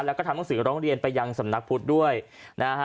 แล้วก็ทำหนังสือร้องเรียนไปยังสำนักพุทธด้วยนะฮะ